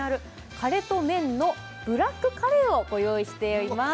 カレとＭｅｎのブラックカレーをご用意してあります。